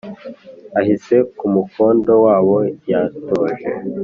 Ahise ku mukondo w'abo yatoje